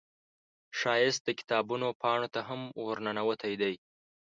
ښایست د کتابونو پاڼو ته هم ورننوتی دی